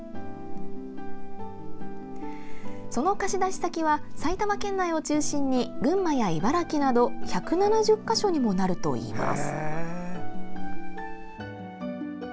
その貸し出し先は埼玉県内を中心に群馬や茨城など１７０か所にもなるといいます。